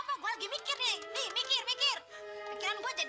enggak ada bener bener